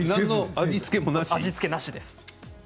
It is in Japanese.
味付けはなしです。